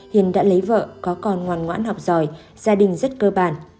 hiền đã lấy vợ có con ngoan ngoãn học giỏi gia đình rất cơ bản